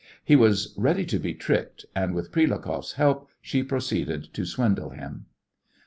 He was ready to be tricked, and with Prilukoff's help she proceeded to swindle him.